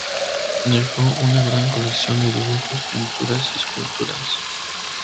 Dejó una gran colección de dibujos, pinturas y esculturas.